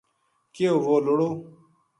کہیو وہ لُڑو